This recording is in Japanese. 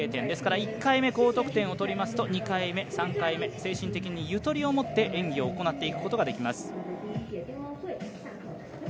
ですから１回目、高得点をとりますと２回目、３回目精神的にゆとりをもって演技を行っていくことができます。